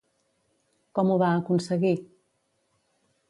Com ho va aconseguir?